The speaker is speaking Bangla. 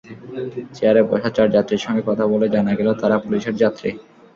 চেয়ারে বসা চার যাত্রীর সঙ্গে কথা বলে জানা গেল, তাঁরা পুলিশের যাত্রী।